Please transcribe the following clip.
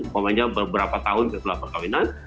pokoknya beberapa tahun setelah perkawinan